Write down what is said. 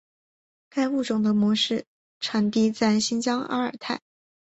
该物种的模式产地在新疆阿尔泰。